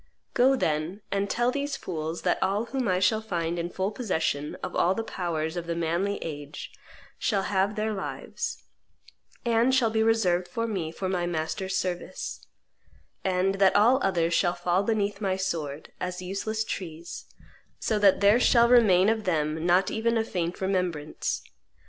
Go, then, and tell these fools that all whom I shall find in full possession of all the powers of the manly age shall have their lives, and shall be reserved by me for my master's service, and that all other shall fall beneath my sword, as useless trees, so that there shall remain of them not even a faint remembrance.